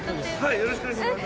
よろしくお願いします。